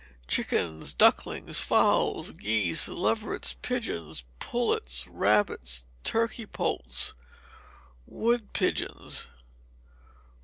Chickens, ducklings, fowls, geese, leverets, pigeons, pullets, rabbits, turkey poults, wood pigeons.